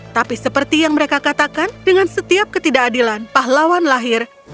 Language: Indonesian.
tapi seperti yang mereka katakan dengan setiap ketidakadilan pahlawan lahir